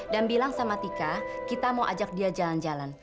dan bilang sama tika kita mau ajak dia jalan jalan